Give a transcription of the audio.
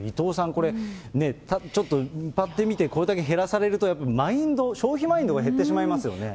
これ、ちょっと、ぱっと見て、これだけ減らされるとやっぱりマインド、消費マインドが減ってしまいますよね。